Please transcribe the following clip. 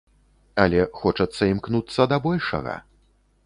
Але хочацца імкнуцца да большага.